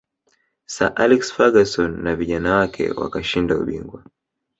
sir alex ferguson na vijana wake wakashinda ubingwa